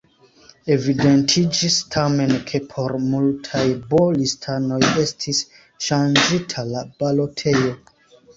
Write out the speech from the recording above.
Evidentiĝis tamen, ke por multaj B-listanoj estis ŝanĝita la balotejo.